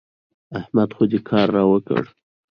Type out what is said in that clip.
احمد خو دې کار را وکړ.